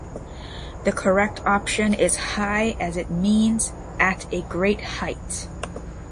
The correct option is "high," as it means at a great height.